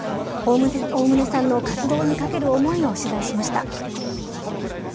大棟さんの活動にかける思いを取材しました。